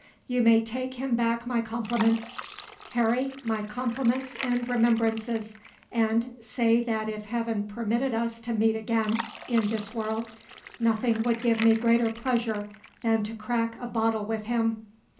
You may take him back my compliments, Harry my compliments and remembrances and say that if Heaven permitted us to meet again in this world, nothing would give me greater pleasure than to crack a bottle with him."